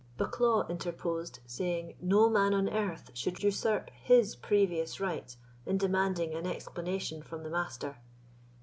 Bucklaw interposed, saying, "No man on earth should usurp his previous right in demanding an explanation from the Master.